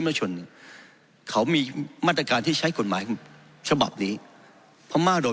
มาชนเนี่ยเขามีมาตรการที่ใช้กฎหมายฉบับนี้พม่าโดน